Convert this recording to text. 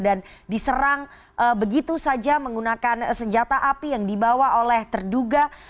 dan diserang begitu saja menggunakan senjata api yang dibawa oleh terduga